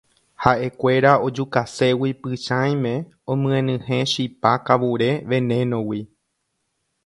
Ha'ekuéra ojukaségui Pychãime omyenyhẽ chipa kavure veneno-gui